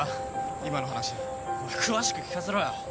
今の話。おい詳しく聞かせろよ。